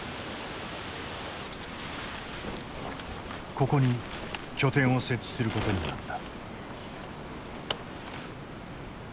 ここに拠点を設置することになった。